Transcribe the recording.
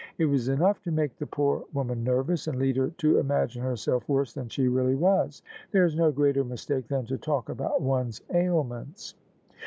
It was enough to make the poor woman nervous, and lead her to imagine herself worse than she really was. There is no greater mistake than to talk about one's ailments."